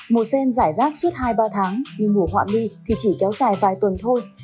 mùa sen giải rác suốt hai ba tháng nhưng mùa họa mi thì chỉ kéo dài vài tuần thôi